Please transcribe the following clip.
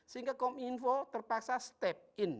sehingga kominfo terpaksa step in